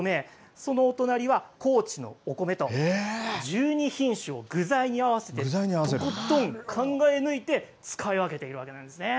その隣は高知のお米と１２品種を具材に合わせてとことん考え抜いて使い分けているわけなんですね。